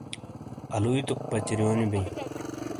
آلویئ توک پچرونی بئے